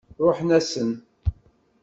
Ṛuḥen-asen.